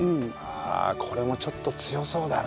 これもちょっと強そうだな。